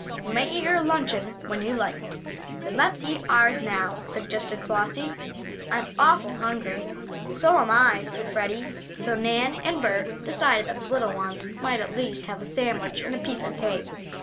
You may eat your luncheon when you like." "Then let's eat ours now," suggested Flossie. "I'm awful hungry." "So am I," said Freddie. So Nan and Bert decided that the little ones might at least have a sandwich and a piece of cake.